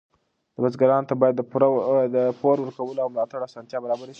بزګرانو ته باید د پور ورکولو او ملاتړ اسانتیاوې برابرې شي.